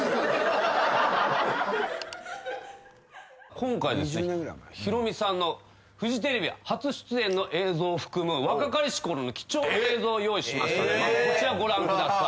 今回ヒロミさんのフジテレビ初出演の映像を含む若かりしころの貴重な映像を用意しましたんでこちらご覧ください。